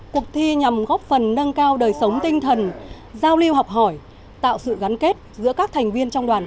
cuộc thi nhằm góp phần nâng cao đời sống tinh thần giao lưu học hỏi tạo sự gắn kết giữa các thành viên trong đoàn công tác